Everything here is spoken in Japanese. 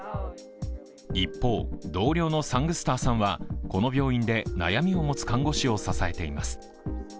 一方、同僚のサングスターさんはこの病院で悩みを持つ看護師を支えています。